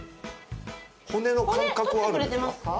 骨の感覚はあるんですか？